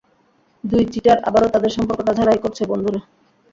দুই চিটার আবারও তাদের সম্পর্কটা ঝালাই করছে, বন্ধুরা!